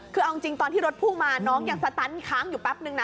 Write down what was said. คือเอาจริงตอนที่รถพุ่งมาน้องยังสตันค้างอยู่แป๊บนึงนะ